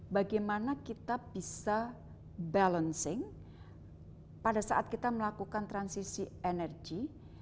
bagaimana kita bisa balancing pada saat kita melakukan transisi energi